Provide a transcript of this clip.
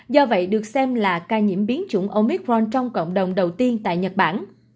do vậy được xem là ca nhiễm biến chủng omicron trong cộng đồng đầu tiên tại nhật bản